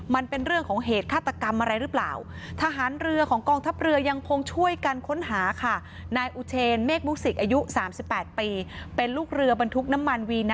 มันเป็นเรื่องของเหตุฆาตกรรมอะไรหรือเปล่า